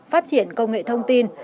phát triển công nghệ thông tin